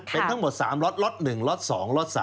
เป็นทั้งหมด๓ล็อต๑ล็อต๒ล็อต๓